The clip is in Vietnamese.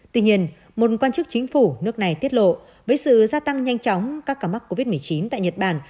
tuy nhiên một quan chức chính phủ nước này tiết lộ với sự gia tăng nhanh chóng các ca mắc covid một mươi chín tại nhật bản